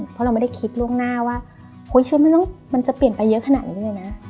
เพราะเราไม่ได้คิดล่วงหน้าว่าชีวิตมันมันจะเปลี่ยนไปเยอะขนาดนี้เลยนะ